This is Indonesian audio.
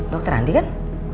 dokter andi kan